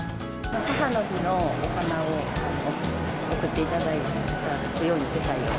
母の日のお花を送っていただくように手配を。